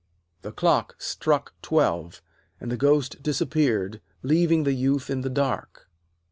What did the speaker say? The clock struck twelve, and the ghost disappeared, leaving the Youth in the dark.